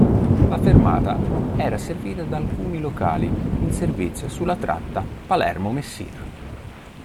La fermata era servita da alcuni locali in servizio sulla tratta Palermo–Messina.